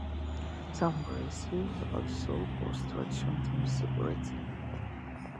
Some races also post transition times separately.